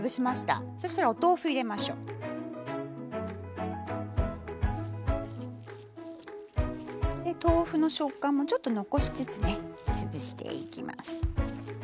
で豆腐の食感もちょっと残しつつね潰していきます。